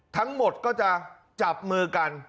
ทั้งหมดก็จะจับมือกัน